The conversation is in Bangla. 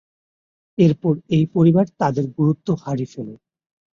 এরপর এই পরিবার তাদের গুরুত্ব হারিয়ে ফেলে।